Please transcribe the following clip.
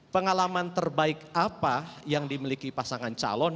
pengalaman terbaik apa yang dimiliki pasangan calon